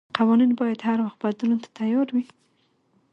قوانين بايد هر وخت بدلون ته تيار وي.